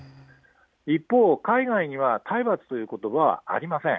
一方、海外には体罰ということばはありません。